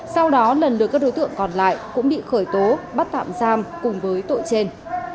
sau đó lần lượt các đối tượng còn lại cũng bị khởi tố bắt tạm giam cùng với tội trên